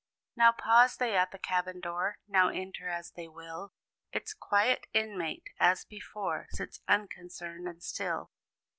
Now pause they at the cabin door; Now enter, as they will; Its quiet inmate, as before, Sits unconcerned and still.